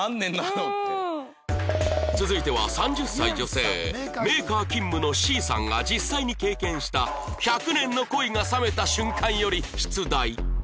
続いては３０歳女性メーカー勤務のしーさんが実際に経験した１００年の恋が冷めた瞬間より出題